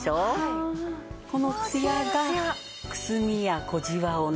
このツヤがクスミや小じわをね